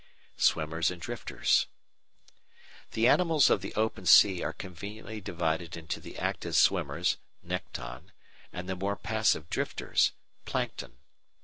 Swimmers and Drifters The animals of the open sea are conveniently divided into the active swimmers (Nekton) and the more passive drifters (Plankton).